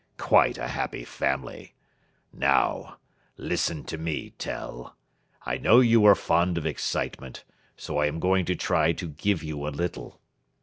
Quite a happy family. Now, listen to me, Tell. I know you are fond of excitement, so I am going to try to give you a little.